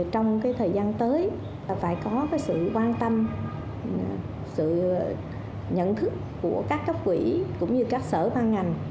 trong thời gian tới phải có sự quan tâm sự nhận thức của các cấp quỹ cũng như các sở ban ngành